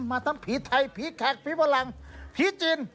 มาทั้งผีไทยผีแขกผีฝรั่งผีจิน